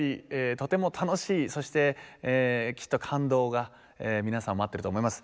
とても楽しいそしてきっと感動が皆さんを待ってると思います。